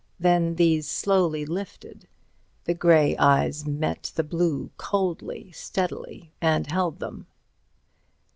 Then these slowly lifted; the grey eyes met the blue—coldly, steadily—and held them.